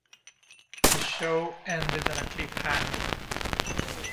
The show ended on a cliffhanger.